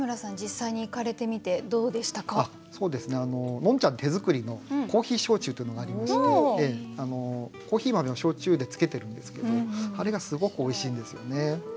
のんちゃん手作りのコーヒー焼酎というのがありましてコーヒー豆を焼酎でつけてるんですけどあれがすごくおいしいんですよね。